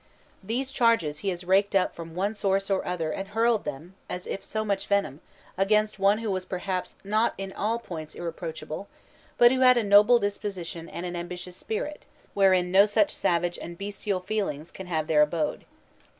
These charges he has raked up from some source or other and hurled them, as if so much venom, against one who was perhaps not in all points irreproachable, but who had a noble disposi tion and an ambitious spirit, wherein no such say age and bestial feelings can have their abode.